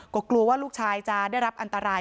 พร้อมด้วยผลตำรวจเอกนรัฐสวิตนันอธิบดีกรมราชทัน